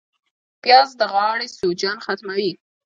پیاز د غاړې سوجن ختموي